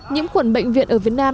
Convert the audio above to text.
nhiễm khuẩn bệnh viện ở việt nam